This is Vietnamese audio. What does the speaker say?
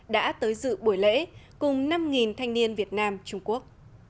đã tới dự buổi lễ cùng năm thanh niên việt nam trung quốc